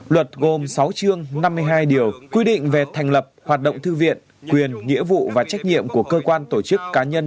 luật gồm sáu chương năm mươi hai điều quy định về thành lập hoạt động thư viện quyền nghĩa vụ và trách nhiệm của cơ quan tổ chức cá nhân